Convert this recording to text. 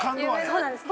◆そうなんです。